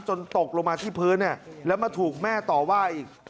ตกลงมาที่พื้นแล้วมาถูกแม่ต่อว่าอีก